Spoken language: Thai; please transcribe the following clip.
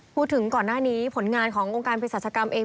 พูดถึงก่อนหน้านี้ผลงานของโรงการปริศาจกรรมเอง